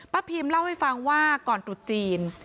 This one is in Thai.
พิมเล่าให้ฟังว่าก่อนตรุษจีน